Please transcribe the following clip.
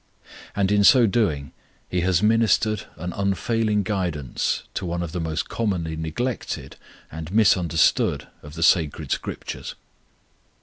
And in so doing he has ministered an unfailing guidance to one of the most commonly neglected and misunderstood of the Sacred Scriptures.